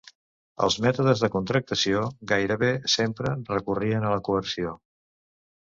Els mètodes de contractació gairebé sempre recorrien a la coerció.